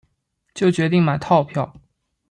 就决定买套票